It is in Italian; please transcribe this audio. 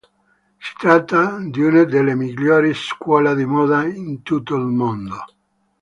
Si tratta di una delle migliori scuole di moda in tutto il mondo.